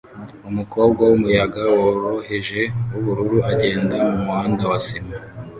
umukobwa wumuyaga woroheje wubururu agenda mumuhanda wa sima